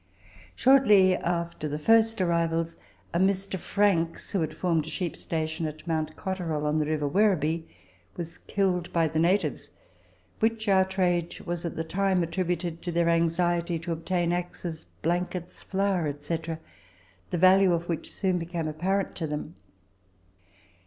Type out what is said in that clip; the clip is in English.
Shortly after the first arrivals, a Mr. Franks, who had formed a sheep station at Mount Cotterill, on the river Werribee, was killed by the natives, which outrage was at the time attributed to their anxiety to obtain axes, blankets, flour, &c., the value of which soon became apparent to them.